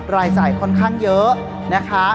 รายจ่ายค่อนข้างเยอะนะคะ